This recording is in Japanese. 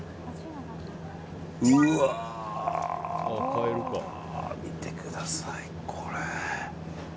うわー、見てくださいこれ。